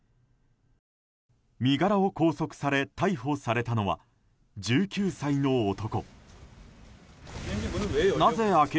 身柄を拘束され、逮捕されたのは１９歳の男。